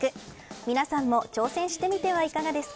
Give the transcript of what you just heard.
皆さんも挑戦してみてはいかがですか。